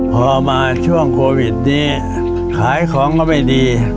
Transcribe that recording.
พอมาช่วงโควิดนี้ขายของก็ไม่ดี